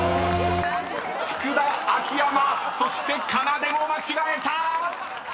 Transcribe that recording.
［福田秋山そしてかなでも間違えた！］